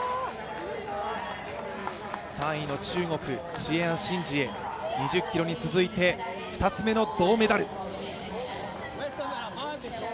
３位の中国、切陽什姐、２０ｋｍに続いて、２つ目の銅メダル。